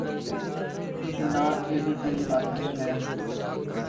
ناک کے بھی قریب آتی ہیں